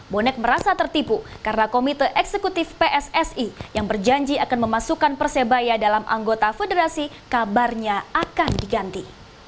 bonek merasa tertipu karena komite eksekutif pssi yang berjanji akan memasukkan persebaya dalam anggota federasi kabarnya akan diganti